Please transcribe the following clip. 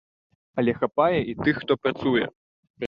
Але хапае і тых, хто працуе.